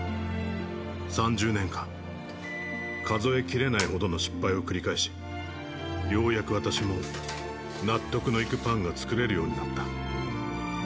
３０年間数え切れないほどの失敗を繰り返しようやく私も納得のいくパンが作れるようになった